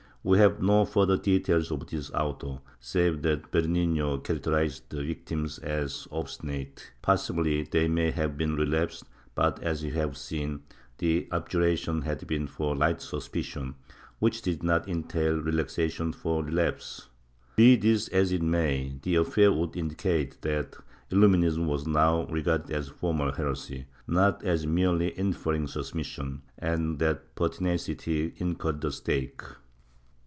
^ We have no further details of this auto, save that Bernino characterizes the victims as obstinate ; possibly they may have been relapsed but, as we have seen, the abjurations had been for light suspicion, which did not entail relaxation for relapse. Be this as it may, the affair would indicate that Illuminism was now regarded as formal heresy, not as merely inferring suspicion, and that pertinacity incurred the stake.